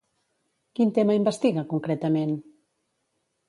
Quin tema investiga concretament?